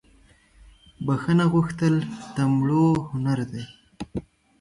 بخښنه غوښتل دمړو هنردي